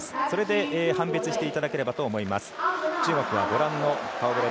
それで判別していただければと思います。